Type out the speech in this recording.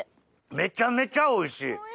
めちゃめちゃおいしい！